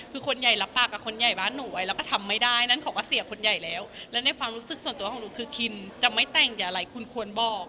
คือคนใหญ่รับปากกับคนใหญ่บ้านหนูไว้แล้วก็ทำไม่ได้นั่นเขาก็เสียคนใหญ่แล้วและในความรู้สึกส่วนตัวของหนูคือคินจะไม่แต่งอย่าอะไรคุณควรบอก